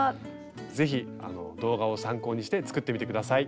是非動画を参考にして作ってみて下さい。